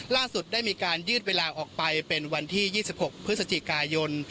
ได้มีการยืดเวลาออกไปเป็นวันที่๒๖พฤศจิกายน